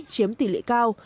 chiếm tỷ lệ cao